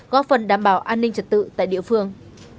góp phần đảm bảo an ninh trật tự tại địa phương